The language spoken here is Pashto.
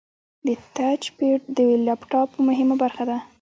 د ټچ پیډ د لپټاپ مهمه برخه ده.